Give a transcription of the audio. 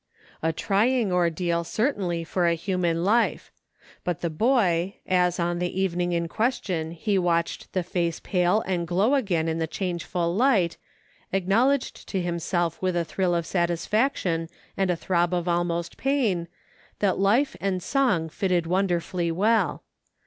A trying ordeal certainly for a human life ; but the boy, as on the evening in question he watched the face pale and glow again in the changeful light, acknowledged to him self with a thrill of satisfaction and a throb of almost pain, that life and song fitted wonderfully well.